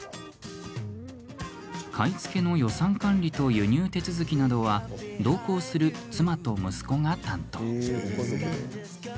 買い付けの予算管理と輸入手続きなどは同行する妻と息子が担当。